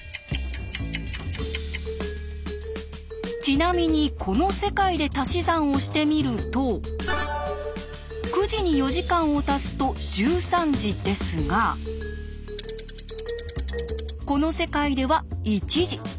ちなみにこの世界で足し算をしてみると９時に４時間を足すと１３時ですがこの世界では１時。